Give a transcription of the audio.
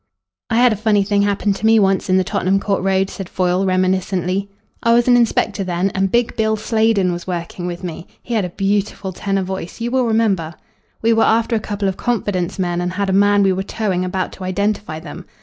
"I had a funny thing happen to me once in the Tottenham Court Road," said Foyle reminiscently. "I was an inspector then and big Bill Sladen was working with me he had a beautiful tenor voice, you will remember. We were after a couple of confidence men and had a man we were towing about to identify them.